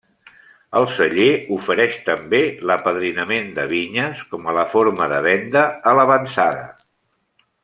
El celler ofereix també l'apadrinament de vinyes com a forma de venda a l'avançada.